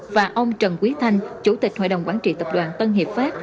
và ông trần quý thanh chủ tịch hội đồng quản trị tập đoàn tân hiệp pháp